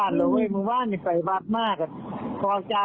ถ้าพวกนี้ได้ตี้อู่แล้ว